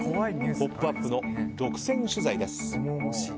「ポップＵＰ！」の独占取材です。